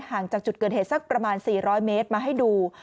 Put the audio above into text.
จากจุดเกิดเหตุสักประมาณ๔๐๐เมตรมาให้ดู